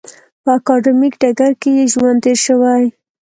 په اکاډمیک ډګر کې یې ژوند تېر شوی.